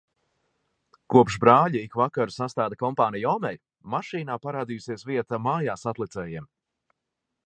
Kopš brāļi ik vakaru sastāda kompāniju omei, mašīnā parādījusies vieta mājāsatlicējiem.